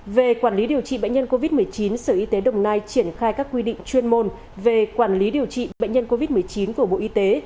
về quản lý điều trị bệnh nhân covid một mươi chín sở y tế đồng nai triển khai các quy định chuyên môn về quản lý điều trị bệnh nhân covid một mươi chín của bộ y tế